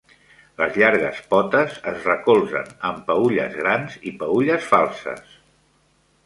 Les llargues potes es recolzen en peülles grans i peülles falses.